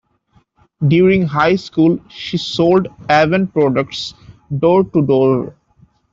During High School, she sold Avon Products door-to-door.